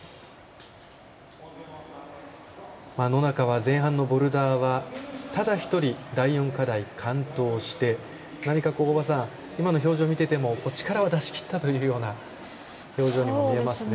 野中は前半のボルダーはただ一人第４課題、完登して、何か今の表情、見ていても力を出しきったというような表情にも見えますね。